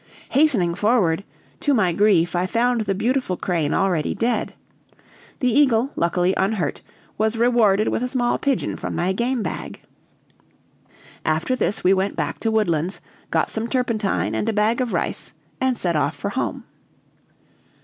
"Hastening forward, to my grief I found the beautiful crane already dead. The eagle, luckily unhurt, was rewarded with a small pigeon from my game bag. "After this we went back to Woodlands, got some turpentine and a bag of rice and set off for home."